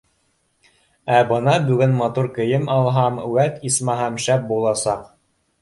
Ә бына бөгөн матур кейем алһам, үәт, исмаһам, шәп буласаҡ.